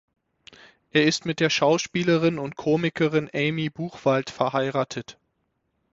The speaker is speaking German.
Er ist mit der Schauspielerin und Komikerin Amy Buchwald verheiratet.